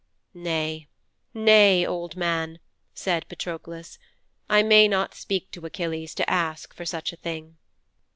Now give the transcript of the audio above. "' '"Nay, nay, old man," said Patroklos, "I may not speak to Achilles to ask for such a thing."'